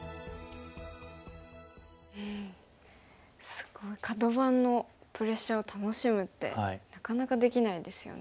すごいカド番のプレッシャーを楽しむってなかなかできないですよね。